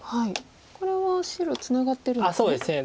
これは白ツナがってるんですね。